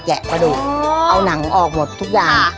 กระดูกเอาหนังออกหมดทุกอย่าง